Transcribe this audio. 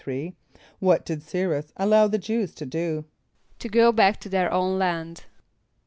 = What did Ç[=y]´rus allow the Jew[s+] to do? =To go back to their own land.